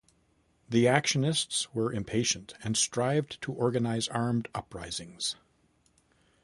The 'actionists' were impatient, and strived to organize armed uprisings.